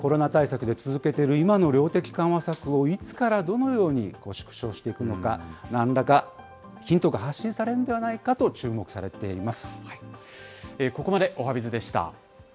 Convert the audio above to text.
コロナ対策で続けている今の量的緩和策をいつからどのように縮小していくのか、なんらかヒントが発信されるんではないかと注目されています。